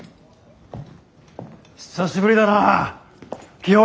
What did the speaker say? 久しぶりだな清恵。